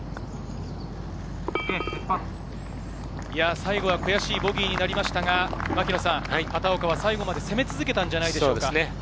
最後は悔しいボギーになりましたが、片岡は最後まで攻め続けたんじゃないでしょうか？